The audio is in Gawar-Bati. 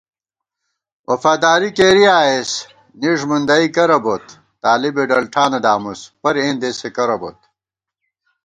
وفاداری کېری آئېس نِݭ مُندَئی کرہ بوت * طالِبےڈلٹھانہ دامُس پر اېندېسےکرہ بوت